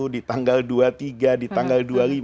di tanggal dua puluh tiga di tanggal dua puluh lima